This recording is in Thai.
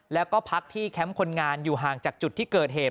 แล้วก็พักที่แคมป์คนงานอยู่ห่างจากจุดที่เกิดเหตุ